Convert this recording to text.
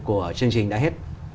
của chương trình đã hết